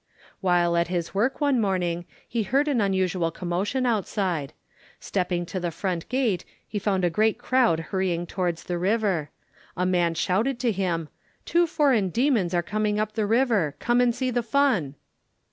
While at his work one morning he heard an unusual commotion outside. Stepping to the front gate he found a great crowd hurrying towards the river. A man shouted to him, "Two foreign demons are coming up the river. Come and see the fun."